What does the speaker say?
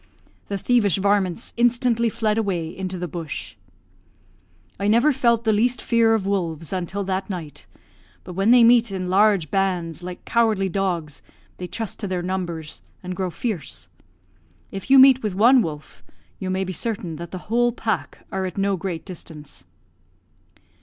The thievish varmints instantly fled away into the bush. "I never felt the least fear of wolves until that night; but when they meet in large bands, like cowardly dogs, they trust to their numbers, and grow fierce. If you meet with one wolf, you may be certain that the whole pack are at no great distance."